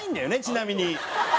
ちなみに。